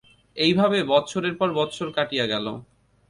এইভাবে বৎসরের পর বৎসর কাটিয়া গেল।